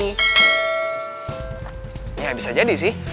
ini gak bisa jadi sih